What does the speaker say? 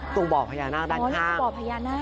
ตรงเบาะพยานาคด้านข้าง